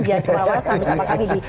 jangan kemarau marau tetap bersama kami di